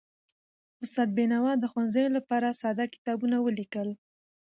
استاد بینوا د ښوونځیو لپاره ساده کتابونه ولیکل.